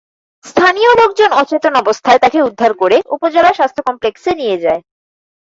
স্থানীয় লোকজন অচেতন অবস্থায় তাঁকে উদ্ধার করে উপজেলা স্বাস্থ্য কমপ্লেক্সে নিয়ে যায়।